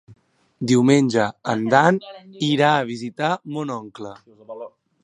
Diumenge en Dan irà a visitar mon oncle.